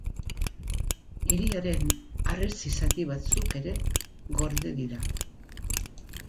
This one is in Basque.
Hiriaren harresi zati batzuk ere gorde dira.